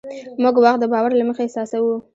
موږ وخت د باور له مخې احساسوو.